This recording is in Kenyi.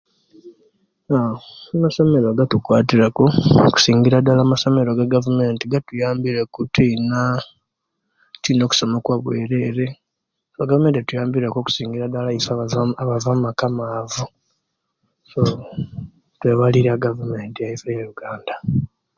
Amasomero gatukwatira ku okusingira ddala amasomero ga gavumenti gatuyambire ku twinaa, twiina okusoma kwabwerere, egavumenti etuyambire, okusinga isuwe otuva omumaka amaavu, so twebalirye egavumenti yaisu eya uganada.